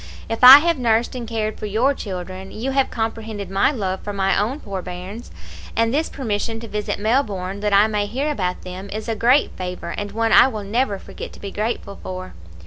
If I have nursed and cared for your children you have comprehended my love for my own poor bairns; and this permission to visit Melbourne, that I may hear about them, is a great favour, and one I will never forget to be grateful for.'